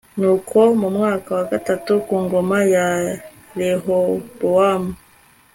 nuko mu mwaka wa gatatu ku ngoma ya rehobowamu